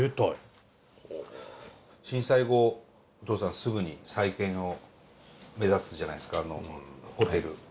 震災後お父さんすぐに再建を目指すじゃないですかホテル。